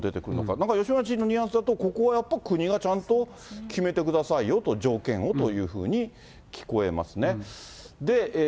なんか吉村知事のニュアンスだと、ここを国がちゃんと決めてくださいよと、条件をというふうに聞こえますね。